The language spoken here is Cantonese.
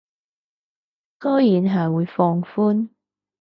居然係會放寬